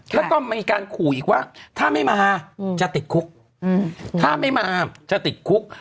แล้วก็มีการข่าวอีกว่าถ้าไม่มาจะติดคุก